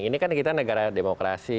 ini kan kita negara demokrasi